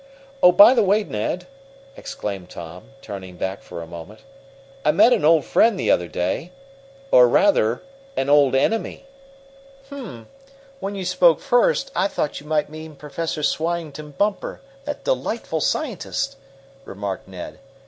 "Oh, by the way, Ned!" exclaimed Tom, turning back for a moment, "I met an old friend the other day; or rather an old enemy." "Hum! When you spoke first, I thought you might mean Professor Swyington Bumper, that delightful scientist," remarked Ned.